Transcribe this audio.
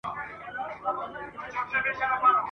په غومبر او په مستیو ګډېدلې !.